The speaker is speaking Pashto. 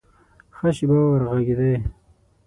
ښه شېبه وږغېدی !